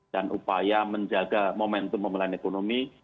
dan upaya menjaga momentum pembelian ekonomi